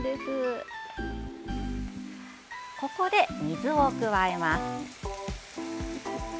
ここで、水を加えます。